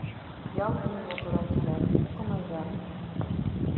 Ял көнөнә тура килә, уҡымайҙар...